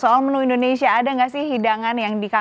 nah soal menu indonesia ada gak sih hidangan yang dikirim